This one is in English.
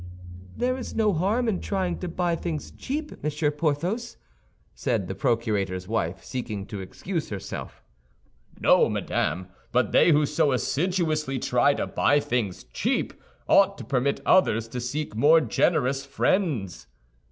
"There is no harm in trying to buy things cheap, Monsieur Porthos," said the procurator's wife, seeking to excuse herself. "No, madame; but they who so assiduously try to buy things cheap ought to permit others to seek more generous friends."